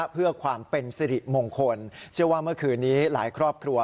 เพื่อความเป็นสิริมงคลเชื่อว่าเมื่อคืนนี้หลายครอบครัว